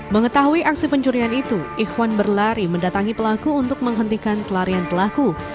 mengetahui aksi pencurian itu ikhwan berlari mendatangi pelaku untuk menghentikan pelarian pelaku